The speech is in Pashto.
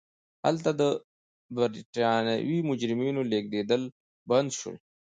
هلته د برېټانوي مجرمینو لېږدېدل بند شول.